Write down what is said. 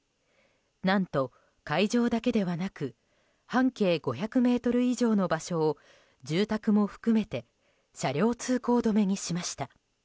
何と、会場だけではなく半径５００ｍ以上の場所を住宅も含めて車両通行止めにしました。